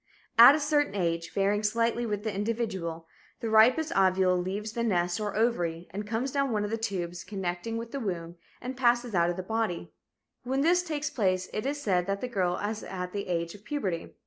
At a certain age, varying slightly with the individual, the ripest ovule leaves the nest or ovary and comes down one of the tubes connecting with the womb and passes out of the body. When this takes place, it is said that the girl is at the age of puberty.